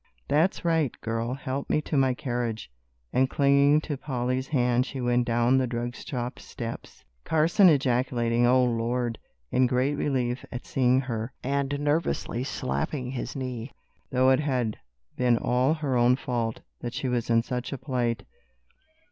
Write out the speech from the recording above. That's right, girl, help me to my carriage," and clinging to Polly's hand she went down the drug shop steps, Carson ejaculating "O Lord!" in great relief at seeing her, and nervously slapping his knee, though it had been all her own fault that she was in such a plight.